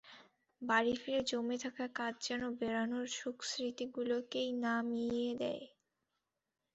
বাড়ি ফিরে জমে থাকা কাজ যেন বেড়ানোর সুখস্মৃতিগুলোকেই না মিইয়ে দেয়।